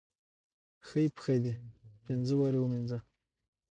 خۍ خپه دې پينزه وارې ووينزه.